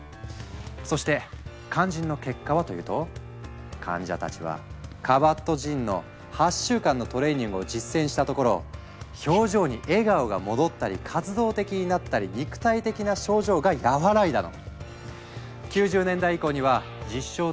そして肝心の結果はというと患者たちはカバットジンの８週間のトレーニングを実践したところ表情に笑顔が戻ったり活動的になったり肉体的な症状が和らいだの！